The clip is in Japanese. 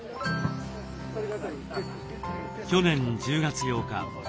去年１０月８日。